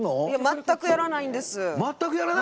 全くやらないんです。